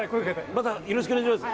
またよろしくお願いします。